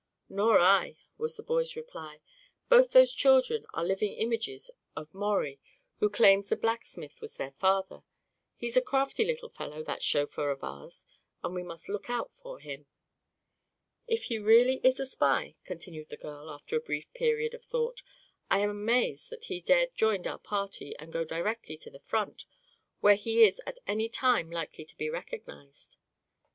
"Nor I," was the boy's reply. "Both those children are living images of Maurie, who claims the blacksmith was their father. He's a crafty little fellow, that chauffeur of ours, and we must look out for him." "If he is really a spy," continued the girl, after a brief period of thought, "I am amazed that he dared join our party and go directly to the front, where he is at any time likely to be recognized."